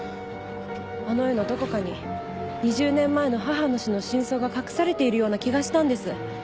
あの絵のどこかに２０年前の母の死の真相が隠されているような気がしたんです。